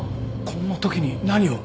こんなときに何を。